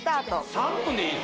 ３分でいいの？